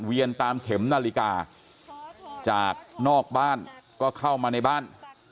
ตามเข็มนาฬิกาจากนอกบ้านก็เข้ามาในบ้าน